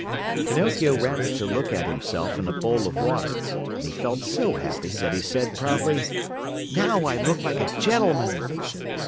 Pinocchio ran to look at himself in a bowl of water, and he felt so happy that he said proudly: "Now I look like a gentleman."